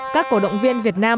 các cổ động viên việt nam